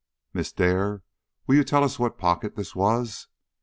"Miss Dare, will you tell us what pocket this was?"